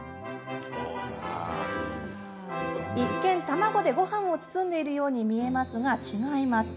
一見卵でごはんを包んでいるように見えますが違います。